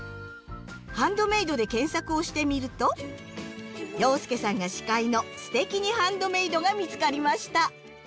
「ハンドメイド」で検索をしてみると洋輔さんが司会の「すてきにハンドメイド」が見つかりました。